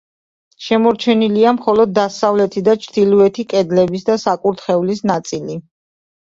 შემორჩენილია მხოლოდ დასავლეთი და ჩრდილოეთი კედლების და საკურთხევლის ნაწილი.